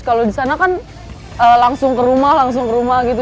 kalau di sana kan langsung ke rumah langsung ke rumah gitu